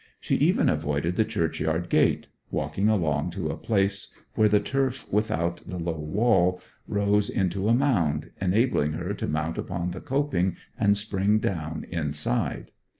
She even avoided the churchyard gate, walking along to a place where the turf without the low wall rose into a mound, enabling her to mount upon the coping and spring down inside.